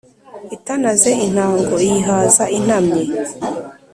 itanaze intango iyihaza intamyi